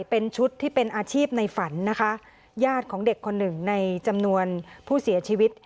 เป็นชุดที่เป็นอาชีพในฝันนะคะญาติของเด็กคนหนึ่งในจำนวนผู้เสียชีวิต